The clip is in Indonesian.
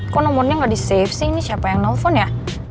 kok nomornya nggak di safe sih ini siapa yang nelfon ya